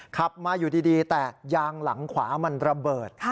ขับมาอยู่ดีแต่ยางหลังขวามันระเบิด